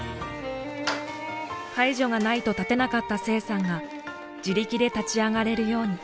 介助がないと立てなかった清さんが自力で立ち上がれるように。